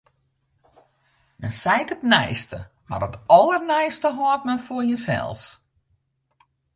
Men seit it neiste, mar it alderneiste hâldt men foar jinsels.